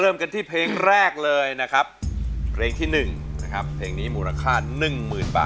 อินโทรเพลงที่๑มาเลยครับ